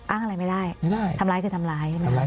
อ้างอะไรไม่ได้ทำร้ายคือทำร้ายใช่ไหม